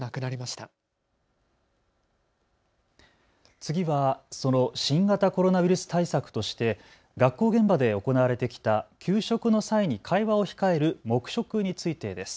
次はその新型コロナウイルス対策として学校現場で行われてきた給食の際に会話を控える黙食についてです。